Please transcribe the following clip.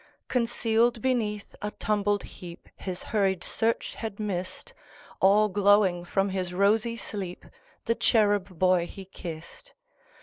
Concealed beneath a tumbled heapHis hurried search had missed, All glowing from his rosy sleep, The cherub boy he kissed.